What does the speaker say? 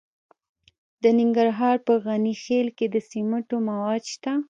د ننګرهار په غني خیل کې د سمنټو مواد شته.